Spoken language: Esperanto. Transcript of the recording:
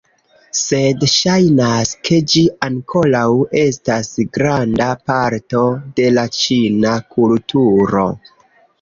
Sed ŝajnas, ke ĝi ankoraŭ estas granda parto de la ĉina kulturo